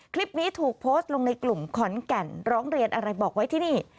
คลิปนี้ถูกโพสต์ลงในกลุ่มขอนแก่นร้องเรียนอะไรบอกไว้ที่นี่